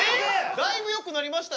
だいぶよくなりましたよ？